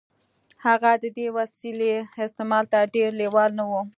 هغه د دې وسیلې استعمال ته ډېر لېوال نه و